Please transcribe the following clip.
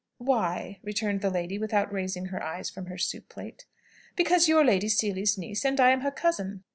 "Why?" returned the lady, without raising her eyes from her soup plate. "Because you are Lady Seely's niece and I am her cousin."